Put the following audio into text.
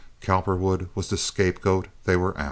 Cowperwood was the scapegoat they were after.